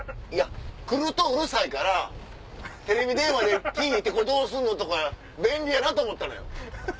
来るとうるさいからテレビ電話で「どうするの？」とか便利やなと思ったのよ。